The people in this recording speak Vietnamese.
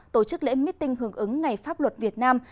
tổ chức lễ meeting hưởng ứng ngày pháp luật việt nam